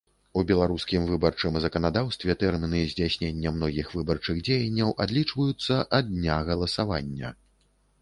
У беларускім выбарчым заканадаўстве тэрміны здзяйснення многіх выбарчых дзеянняў адлічваюцца ад дня галасавання.